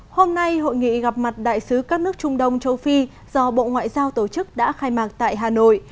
hôm nay hội nghị gặp mặt đại sứ các nước trung đông châu phi do bộ ngoại giao tổ chức đã khai mạc tại hà nội